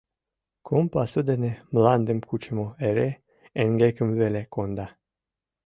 Кум пасу дене мландым кучымо эре эҥгекым веле конда.